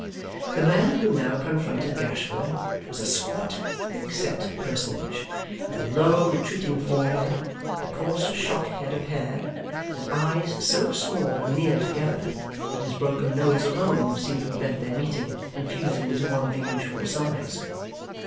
The man who now confronted Gashford, was a squat, thickset personage, with a low, retreating forehead, a coarse shock head of hair, and eyes so small and near together, that his broken nose alone seemed to prevent their meeting and fusing into one of the usual size.